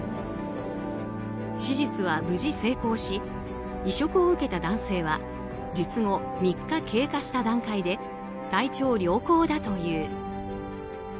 手術は無事成功し移植を受けた男性は術後３日経過した段階で体調良好だという。